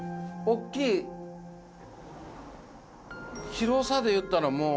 広さでいったらもう。